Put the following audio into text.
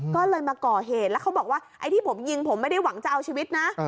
ก็เลยมาก่อเหตุแล้วเขาบอกว่าไอ้ที่ผมยิงผมไม่ได้หวังจะเอาชีวิตนะ